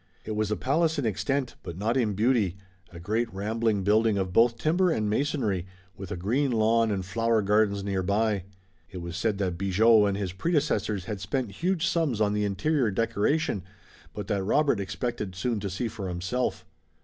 It was a palace in extent, but not in beauty, a great rambling building of both timber and masonry, with a green lawn and flower gardens near by. It was said that Bigot and his predecessors had spent huge sums on the interior decoration, but that Robert expected soon to see for himself.